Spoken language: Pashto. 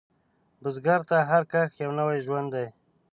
بزګر ته هر کښت یو نوی ژوند دی